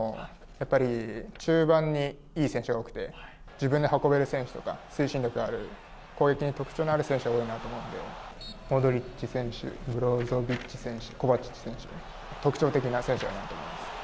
自分で運べる選手とか推進力がある攻撃に特徴がある選手が多いなと思うのでモドリッチ選手ブロゾビッチ選手コバチッチ選手特徴的な選手だなと思います。